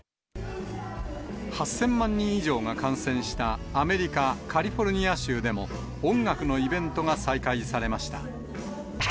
８０００万人以上が感染したアメリカ・カリフォルニア州でも、音楽のイベントが再開されました。